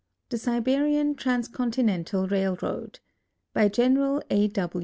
THE SIBERIAN TRANSCONTINENTAL RAILROAD By Genkral A.